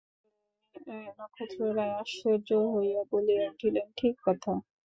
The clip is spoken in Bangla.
নক্ষত্ররায় আশ্চর্য হইয়া বলিয়া উঠিলেন, ঠিক কথা।